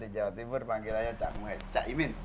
jawa timur panggilannya ca muhaymin